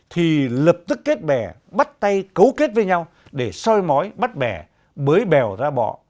thì lập tức kết bè bắt tay cấu kết với nhau để soi mói bắt bè bới bèo ra bỏ